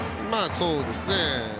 そうですね。